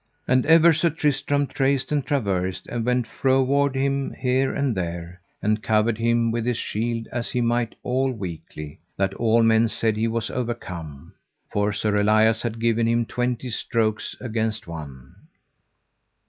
And ever Sir Tristram traced and traversed, and went froward him here and there, and covered him with his shield as he might all weakly, that all men said he was overcome; for Sir Elias had given him twenty strokes against one.